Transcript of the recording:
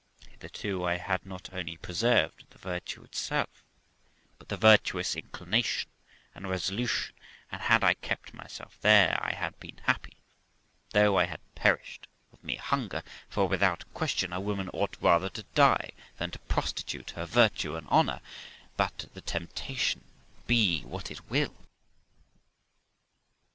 Hitherto I had not only preserved the virtue itself, but the virtuous^ inclination and resolution; and had I kept myself there I had been happy,' though I had perished of mere hunger ; for, without question, a woman ought rather to die than to prostitute her virtue and honour, let the temptation be what it will.